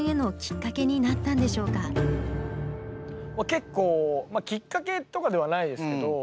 けっこうまあきっかけとかではないですけど。